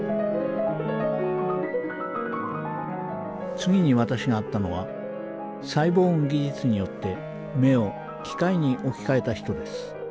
次に私が会ったのはサイボーグ技術によって目を機械に置き換えた人です。